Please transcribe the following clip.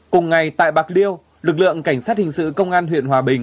cùng ngày tại bạc liêu lực lượng cảnh sát hình sự công an huyện hòa bình